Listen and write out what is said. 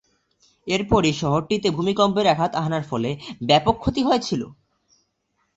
এরপরেই শহরটিতে ভূমিকম্পের আঘাত হানার ফলে ব্যাপক ক্ষতি হয়েছিল।